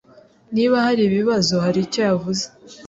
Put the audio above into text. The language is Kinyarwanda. Niba haribibazo, hari icyo yavuze.